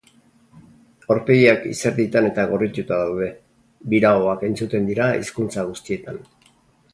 Aurpegiak izerditan eta gorrituta daude, biraoak entzuten dira hizkuntza guztietan.